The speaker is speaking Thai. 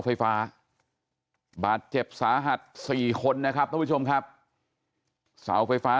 ไฟฟ้าบาดเจ็บสาหัส๔คนนะครับท่านผู้ชมครับเสาไฟฟ้า